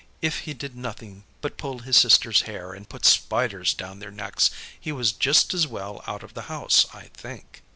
If he did nothing but pull his sisters' hair, and put spiders down their necks, he was just as well out of the house, I think.